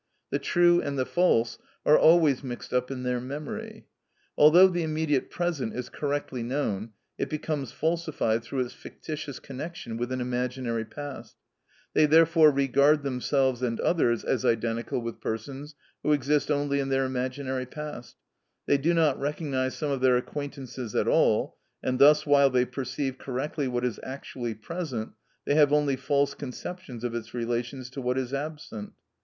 The true and the false are always mixed up in their memory. Although the immediate present is correctly known, it becomes falsified through its fictitious connection with an imaginary past; they therefore regard themselves and others as identical with persons who exist only in their imaginary past; they do not recognise some of their acquaintances at all, and thus while they perceive correctly what is actually present, they have only false conceptions of its relations to what is absent.